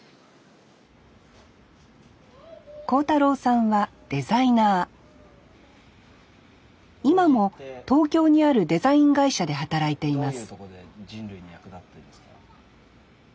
幸太郎さんはデザイナー今も東京にあるデザイン会社で働いています